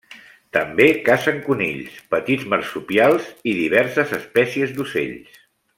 També cacen conills, petits marsupials i diverses espècies d'ocells.